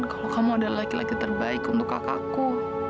kalau kamu adalah laki laki terbaik untuk kakakku